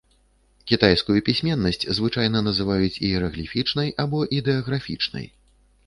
Кітайскую пісьменнасць звычайна называюць іерагліфічнай або ідэаграфічнай.